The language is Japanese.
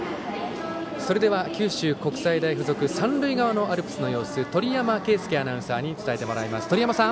それでは、九州国際大付属三塁側のアルプスの様子を鳥山圭輔アナウンサーに伝えてもらいます。